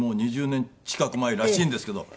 ２０年近く前らしいんですけど。